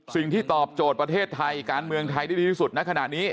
สิ่งที่ตอบโจทย์ประเทศไทยการเมืองไทยได้ดีที่สุดในขณะนี้